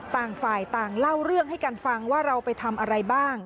ต่างฝ่ายต่างเล่าเรื่องให้กันฟังว่าเราไปทำอะไรบ้าง